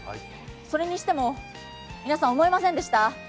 それにしても皆さん、思いませんでした？